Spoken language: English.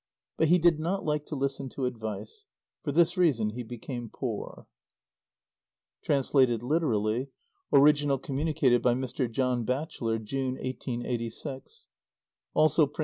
But he did not like to listen to advice. For this reason he became poor. (Translated literally. Original communicated by Mr. John Batchelor, June, 1886; also printed in "Aino Memoir," p.